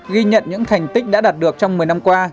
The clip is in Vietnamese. ghi nhận những thành tích đã đạt được trong một mươi năm qua